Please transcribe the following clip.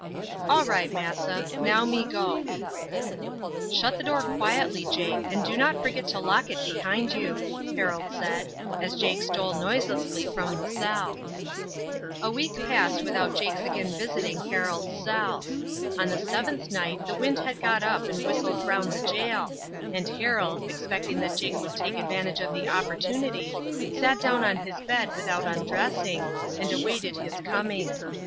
"All right, massa. Now me go." "Shut the door quietly, Jake, and do not forget to lock it behind you," Harold said, as Jake stole noiselessly from the cell. A week passed without Jake's again visiting Harold's cell. On the seventh night the wind had got up and whistled around the jail, and Harold, expecting that Jake would take advantage of the opportunity, sat down on his bed without undressing, and awaited his coming.